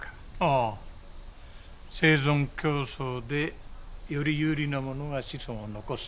ああ生存競争でより有利なものが子孫を残すってやつですね。